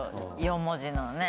４文字のね